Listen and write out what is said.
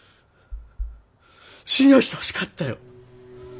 信用してほしかったよ。